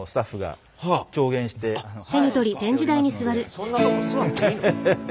そんなとこ座ってええの？